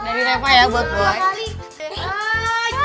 dari reva ya buat boy